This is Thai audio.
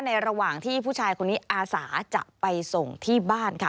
ระหว่างที่ผู้ชายคนนี้อาสาจะไปส่งที่บ้านค่ะ